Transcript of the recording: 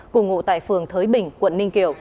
cùng ngụ tại phường thới bình quận ninh kiều